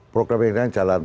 program ini jalan